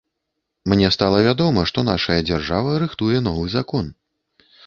Мне стала вядома, што нашая дзяржава рыхтуе новы закон.